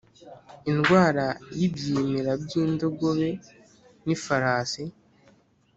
Indwara y ibyimira by indogobe n ifarasi